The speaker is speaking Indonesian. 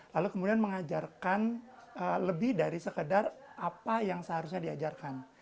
lalu kemudian mengajarkan lebih dari sekedar apa yang seharusnya diajarkan